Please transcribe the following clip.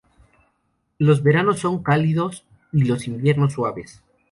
Los veranos son cálidos y los inviernos suaves.